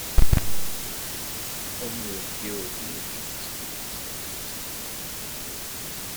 Only a few of the engines under construction survived.